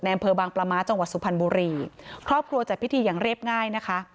อำเภอบางปลาม้าจังหวัดสุพรรณบุรีครอบครัวจัดพิธีอย่างเรียบง่ายนะคะ